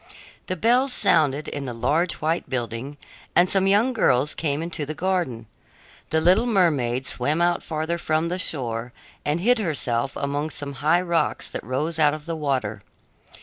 Then bells sounded in the large white building, and some young girls came into the garden. The little mermaid swam out farther from the shore and hid herself among some high rocks that rose out of the water.